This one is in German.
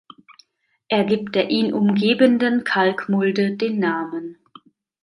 Er gibt der ihn umgebenden Kalkmulde den Namen.